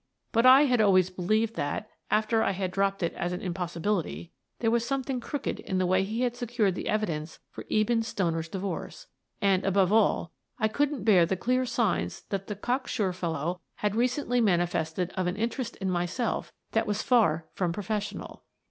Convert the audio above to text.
But I had always believed that, after I had dropped it as an impossibility, there was something crooked in the way he had secured the evidence for Eben Stoner's divorce; and, above all, I couldn't bear the dear signs which the code sure fdlow had recently mani fested of an interest in myself that was far from professional.